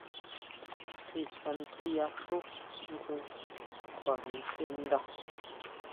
Síkʼantjeyaxú jngu kjua niteʼnda.